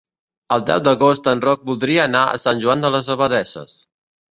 El deu d'agost en Roc voldria anar a Sant Joan de les Abadesses.